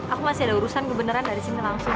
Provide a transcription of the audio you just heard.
aku masih ada urusan kebenaran dari sini langsung